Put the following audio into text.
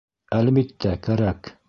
Әлбиттә, кәрәк.